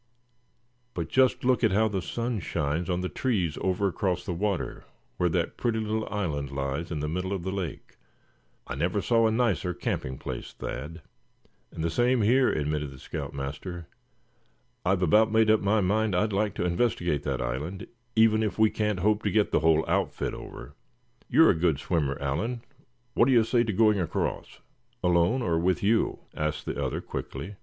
But just look how the sun shines on the trees over across the water, where that pretty little island lies in the middle of the lake. I never saw a nicer camping place, Thad." "And the same here," admitted the scout master. "I've about made up my mind I'd like to investigate that island, even if we can't hope to get the whole outfit over. You're a good swimmer, Allan, what do you say to going across?" "Alone, or with you?" asked the other, quickly.